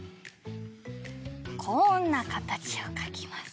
こんなかたちをかきます。